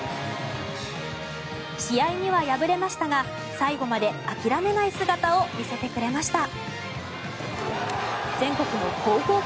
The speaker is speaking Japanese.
試合には敗れましたが最後まで諦めない姿を見せてくれました。